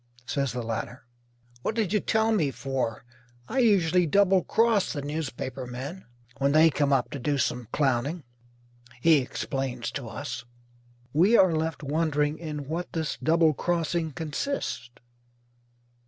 says the latter. "What did you tell me for? I usually double cross the newspaper men when they come up to do some clowning," he explains to us. We are left wondering in what this double crossing consists.